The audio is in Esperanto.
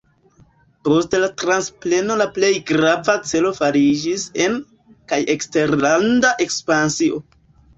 Post la transpreno la plej grava celo fariĝis en- kaj eksterlanda ekspansio.